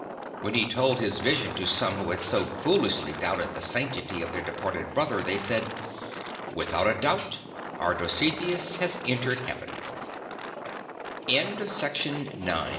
When he told his vision to some who had so foolishly doubted the sanctity of their departed brother they said, "Without a doubt our Dositheus has entered Hea